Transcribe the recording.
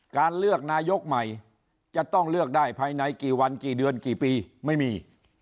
การเลือกนายกใหม่จะต้องเลือกได้ภายในกี่วันกี่เดือนกี่ปีไม่มี